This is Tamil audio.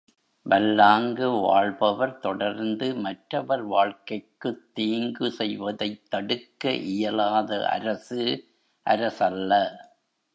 வல்லாங்கு வாழ்பவர் தொடர்ந்து மற்றவர் வாழ்க்கைக்குத் தீங்கு செய்வதைத் தடுக்க இயலாத அரசு, அரசல்ல.